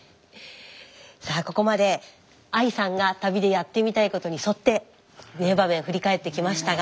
さあここまでＡＩさんが旅でやってみたいことに沿って名場面振り返ってきましたが。